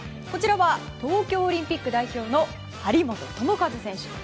こちらは東京オリンピック代表の張本智和選手。